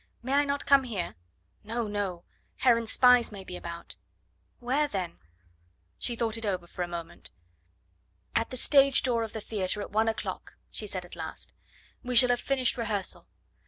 May I not come here?" "No, no. Heron's spies may be about." "Where then?" She thought it over for a moment. "At the stage door of the theatre at one o'clock," she said at last. "We shall have finished rehearsal.